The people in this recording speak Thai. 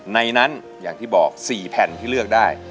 ในนั้นอย่างที่บอก๔แผ่นที่เลือกได้